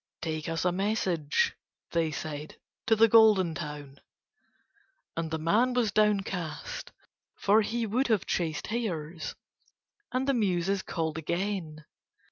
"Take us a message," they said, "to the Golden Town." And the man was downcast for he would have chased hares. And the Muses called again.